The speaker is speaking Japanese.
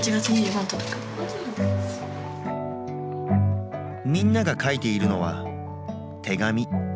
みんなが書いているのは手紙。